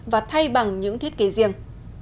và thay bằng những thiết kế riêng